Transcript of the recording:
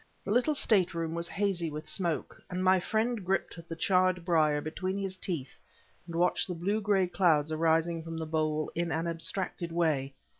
The little stateroom was hazy with smoke, and my friend gripped the charred briar between his teeth and watched the blue gray clouds arising from the bowl, in an abstracted way.